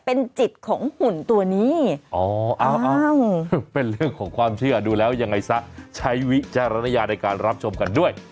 เป็นจิตของหุ่นตัวนี้อ๋อเอาเป็นเรื่องของความเชื่อดูแล้วยังไงซะใช้วิจารณญาในการรับชมกันด้วย